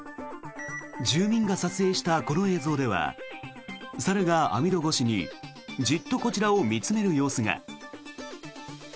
住民が撮影したこの映像では猿が網戸越しにじっとこちらを見つめる様子が。